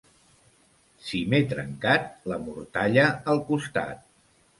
Si m'he trencat, la mortalla al costat.